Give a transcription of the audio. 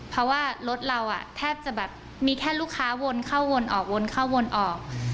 เพราะว่ารถเราแทบจะแบบมีแค่ลูกค้าวนเข้าวนออกวนเข้าวนออก